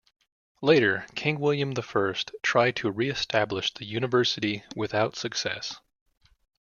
Later, king William the First tried to re-establish the university, without success.